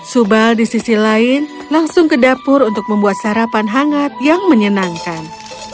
subal di sisi lain langsung ke dapur untuk membuat sarapan hangat yang menyenangkan